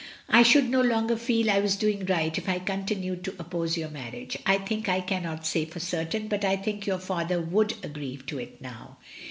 I should no longer feel I was doing right if I continued to oppose your marriage I think — I cannot say for certain — ^but I iktni your father would agree to it now.